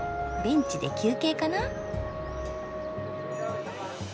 ベンチで休憩かな。